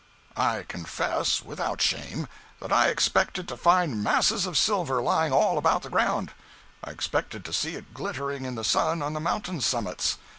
205.jpg (58K) I confess, without shame, that I expected to find masses of silver lying all about the ground. I expected to see it glittering in the sun on the mountain summits.